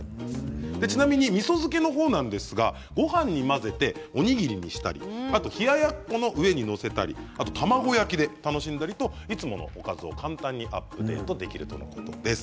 ちなみにみそ漬けの方なんですがごはんに混ぜてお握りにしたりあと冷ややっこの上にのせたり卵焼きで楽しんだりといつものおかずを簡単にアップデートできるとのことです。